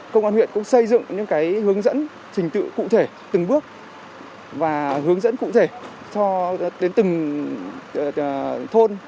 công an huyện cũng xây dựng những hướng dẫn trình tự cụ thể từng bước và hướng dẫn cụ thể cho đến từng thôn